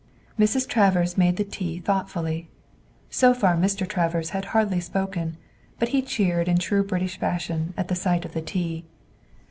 Mrs. Travers made the tea thoughtfully. So far Mr. Travers had hardly spoken, but he cheered in true British fashion at the sight of the tea.